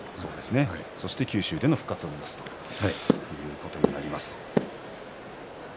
そして九州での復活を目指すということになると思います。